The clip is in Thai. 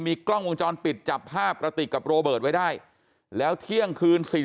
กล้องวงจรปิดจับภาพกระติกกับโรเบิร์ตไว้ได้แล้วเที่ยงคืน๔๐